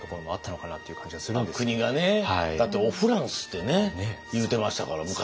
だって「おフランス」ってね言うてましたから昔。